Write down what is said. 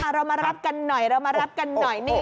เรามารับกันหน่อยเรามารับกันหน่อย